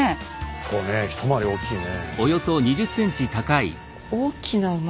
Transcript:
そうね一回り大きいね。